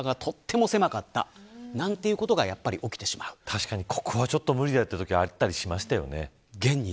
確かに、ここはちょっと無理だよということあったりしますよね。